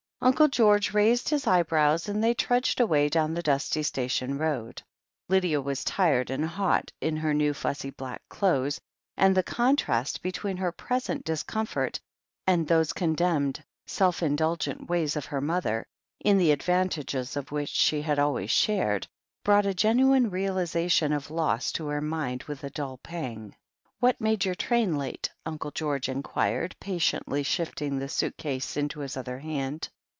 Uncle George raised his eyebrows, and they trudged away down the dusty station road. Lydia was tired and hot in her new, fussy black clothes, and the contrast between her present discom fort and those condemned, self indulgent ways of her mother, in the advantages of which she had always shared, brought a genuine realization of loss to her mind with a dtdl pang. "What made your train late?" Uncle George in quired, patiently shifting the suit case into his other hand.